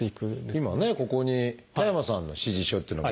今ここに田山さんの指示書というのが。